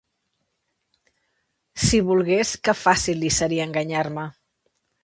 Si volgués, que fàcil li seria enganyar-me!